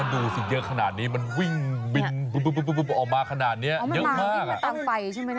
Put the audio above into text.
ก็ดูสิเยอะขนาดนี้มันวิ่งบินออกมาขนาดเนี้ยเยอะมากอ๋อมันล้างดิ้งตามไฟใช่ไหมน่ะ